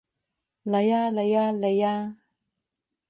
嚟吖嚟吖嚟吖